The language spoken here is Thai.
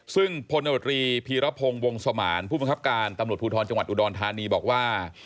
ซึ่งพลตรีพีรพงศ์วงสมานผู้บังคับการตำรวจภูทรจังหวัดอุดรธานีบอกว่า